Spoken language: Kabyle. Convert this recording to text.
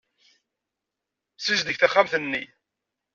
Sizdeg taxxamt-nni.